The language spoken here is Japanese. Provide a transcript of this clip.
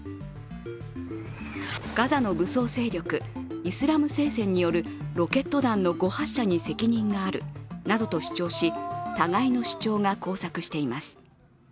ガザの武装勢力、イスラム聖戦によるロケット弾の誤発射に責任があるなどと主張し、互いの主張が交錯しています。